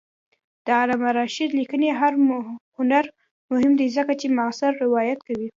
د علامه رشاد لیکنی هنر مهم دی ځکه چې معاصر روایت کوي.